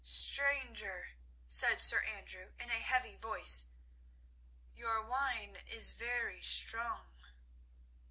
"Stranger," said Sir Andrew, in a heavy voice, "your wine is very strong."